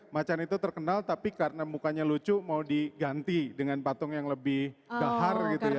macan itu terkenal tapi karena mukanya lucu mau diganti dengan patung yang lebih bahar gitu ya